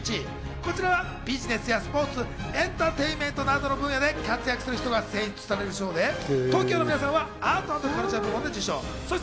こちらはビジネスやスポーツ、エンターテインメントなどの分野で活躍する人が選出される賞でＴＯＫＩＯの皆さんはアート＆カルチャー部門で受賞しました。